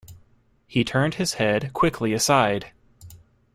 He turned his head quickly aside.